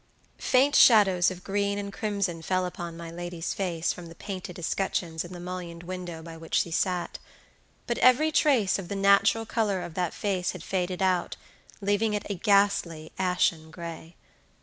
Faint shadows of green and crimson fell upon my lady's face from the painted escutcheons in the mullioned window by which she sat; but every trace of the natural color of that face had faded out, leaving it a ghastly ashen gray.